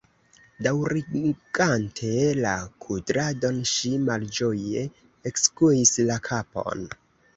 Daŭrigante la kudradon, ŝi malĝoje ekskuis la kapon.